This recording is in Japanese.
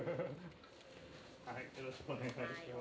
よろしくお願いします。